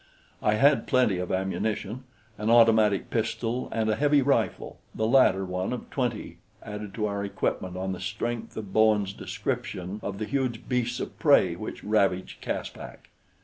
I had plenty of ammunition, an automatic pistol and a heavy rifle the latter one of twenty added to our equipment on the strength of Bowen's description of the huge beasts of prey which ravaged Caspak.